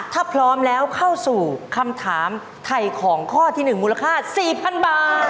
ถ้าพร้อมแล้วเข้าสู่คำถามไถ่ของข้อที่๑มูลค่า๔๐๐๐บาท